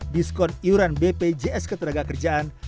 diskon iuran bpjs ketenaga kerjaan